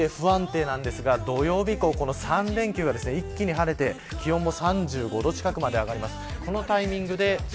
あした、まだ曇って不安定なんですが土曜日以降３連休が一気に晴れて、気温も３５度近くまで上がります。